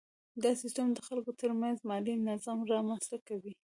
دا سیستم د خلکو ترمنځ مالي نظم رامنځته کوي.